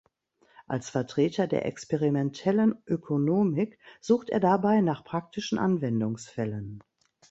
Als Vertreter der experimentellen Ökonomik sucht er dabei nach praktischen Anwendungsfällen.